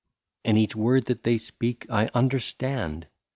And each word that they speak I understand.